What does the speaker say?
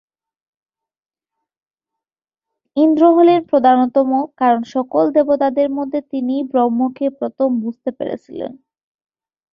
ইন্দ্র হলেন প্রধানতম, কারণ সকল দেবতাদের তিনিই ব্রহ্মকে প্রথম "বুঝতে" পেরেছিলেন।